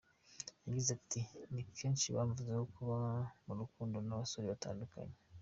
Yagize ati “Ni kenshi bamvuzeho kuba mu rukundo n’abasore batandukanye.